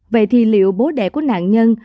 vậy thì liệu bố đẻ của nạn nhân